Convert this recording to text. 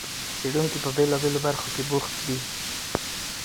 څېړونکي په بېلابېلو برخو کې بوخت دي.